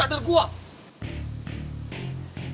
dia tetep sohib gua dia udah ada gua